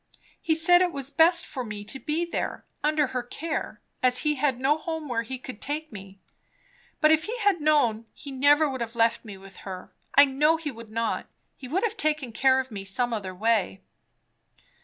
"He said it was best for me to be there, under her care, as he had no home where he could take me. But if he had known, he never would have left me with her. I know he would not. He would have taken care of me some other way."